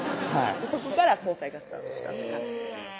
そこから交際がスタートしたって感じです